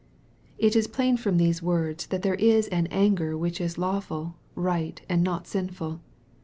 It is plain from these words that there is an " anger" which is lawful, right, and not sinful.